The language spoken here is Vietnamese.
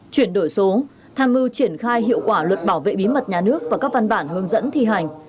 chuyển đổi số tham mưu triển khai hiệu quả luật bảo vệ bí mật nhà nước và các văn bản hướng dẫn thi hành